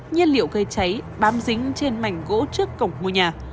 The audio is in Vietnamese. nhiên liệu gây cháy bám dính trên mảnh gỗ trước cổng ngôi nhà